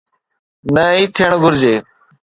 نه ئي ٿيڻ گهرجي.